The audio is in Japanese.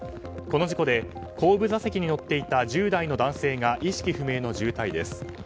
この事故で後部座席に乗っていた１０代の男性が意識不明の重体です。